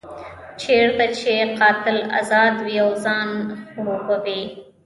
چېرته چې قاتل ازاد وي او ځان خړوبوي.